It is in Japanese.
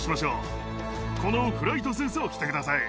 このフライトスーツを着てください。